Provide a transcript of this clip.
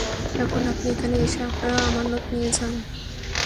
এখন আপনি এখানে এসে আপনার আমানত নিয়ে যান।